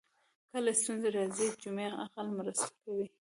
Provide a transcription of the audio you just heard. کله ستونزې راځي جمعي عقل مرسته کوي